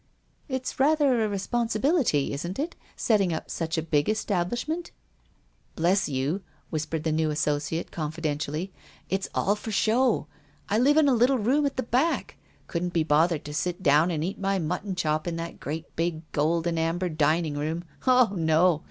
" It's rather a responsibility, isn't it, setting up such a big establishment ?"" Bless you," whispered the new Associate confidentially, " it's all for show ! I live in a little room at the back ; couldn't be bothered to sit down and eat my mutton chop in that great big gold and amber dining room. Oh, no